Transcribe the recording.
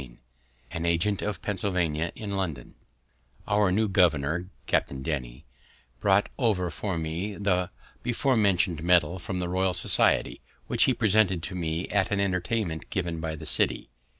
] XIX AGENT OF PENNSYLVANIA IN LONDON Our new governor, Captain Denny, brought over for me the before mentioned medal from the Royal Society, which he presented to me at an entertainment given him by the city.